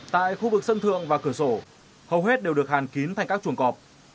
tại khu vực sân thượng và cửa sổ hầu hết đều được hàn kín thành các chuồng cọp